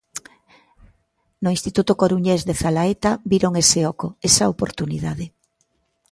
No instituto coruñés de Zalaeta viron ese oco, esa oportunidade.